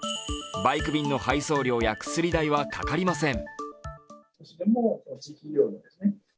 バイク便の配送料や薬代はかかりません。